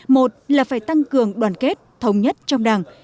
một là phải tăng cường đoàn kết thống nhất trong đảng